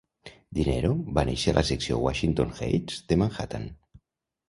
Dinero va néixer a la secció Washington Heights de Manhattan.